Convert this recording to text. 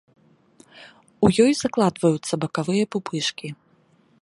У ёй закладваюцца бакавыя пупышкі.